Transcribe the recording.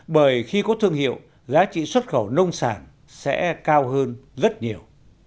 bởi khi có thương hiệu giá trị xuất khẩu nông sản sẽ cao hơn rất nhiều